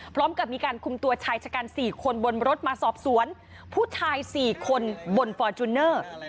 พร้อมกับมีการคุมตัวชายชะกัน๔คนบนรถมาสอบสวนผู้ชาย๔คนบนฟอร์จูเนอร์